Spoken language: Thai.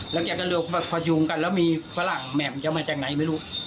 แล้วแกก็เลือกพยุงกันแล้วมีฝรั่งแหม่มจะมาจากไหนไม่รู้